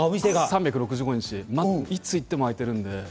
３６５日、いつ行っても開いているので。